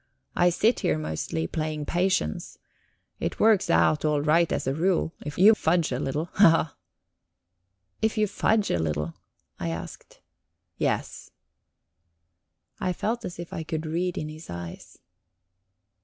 I sit here mostly playing patience. It works out all right as a rule, if you fudge a little. Haha!" "If you fudge a little?" I asked. "Yes." I felt as if I could read in his eyes...